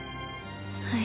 はい。